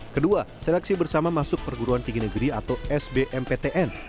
kedua seleksi bersama masuk perguruan tinggi negeri atau sbmptn